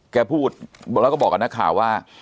แกพูดแล้วก็บอกกับนักข่าวว่า